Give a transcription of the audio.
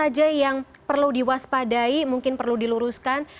apa saja yang perlu diwaspadai mungkin perlu diluruskan